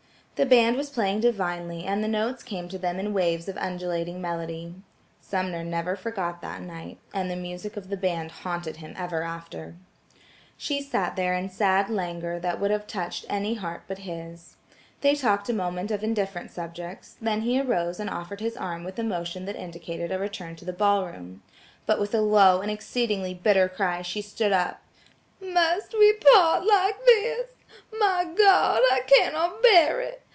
The band was playing divinely and the notes came to them in waves of undulating melody. Sumner never forgot that night, and the music of the band haunted him ever after. She sat there in sad languor that would have touched any heart but his. They talked a moment of indifferent subjects, then he arose and offered his arm with a motion that indicated a return to the ball room. But with a low and exceedingly bitter cry she stood up. "Must we part like this? My God! I cannot bear it!